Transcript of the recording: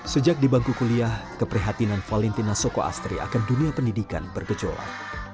sejak di bangku kuliah keprihatinan valentina sokoastri akan dunia pendidikan bergejolak